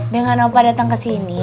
dengan opa datang kesini